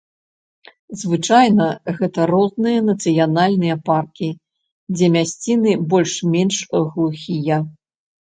Звычайна гэта розныя нацыянальныя паркі, дзе мясціны больш-менш глухія.